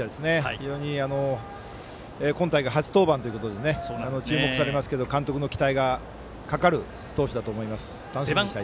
非常に今大会初登板ということで注目されますけど監督の期待がかかる投手だと思います。